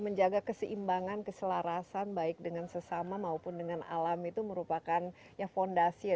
menjaga keseimbangan keselarasan baik dengan sesama maupun dengan alam itu merupakan ya fondasi ya